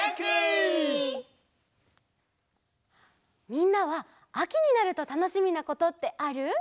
みんなはあきになるとたのしみなことってある？